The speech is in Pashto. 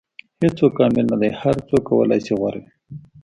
• هیڅوک کامل نه دی، خو هر څوک کولی شي غوره وي.